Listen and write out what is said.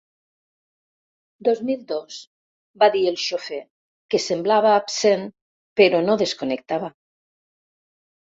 Dos mil dos —va dir el xofer, que semblava absent però no desconnectava—.